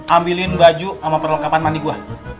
ambilin baju sama perlengkapan mandi gua